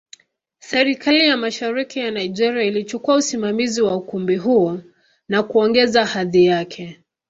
Serikali ya Mashariki ya Nigeria ilichukua usimamizi wa ukumbi huo na kuongeza hadhi yake.